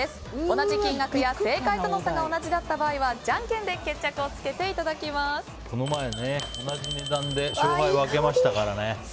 同じ金額や正解との差が同じだった場合はじゃんけんでこの前ね、同じ値段で勝敗を分けましたからね。